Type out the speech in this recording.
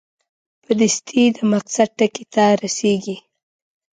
په دستي د مقصد ټکي ته رسېږي.